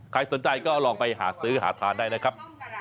ใครสนใจก็ลองไปหาซื้อหาทานได้นะครับ